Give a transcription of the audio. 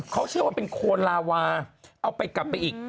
เขาเชื่อว่าเป็นโคนลาวาเอาไปกลับไปอีก